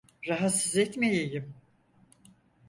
Rahatsız etmeyeyim!